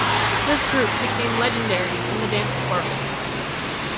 This group became legendary in the dance world.